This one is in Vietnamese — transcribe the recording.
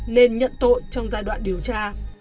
nên nhận tội trong giai đoạn điều tra